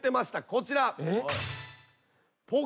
こちら。